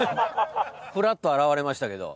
ふらっと現れましたけど。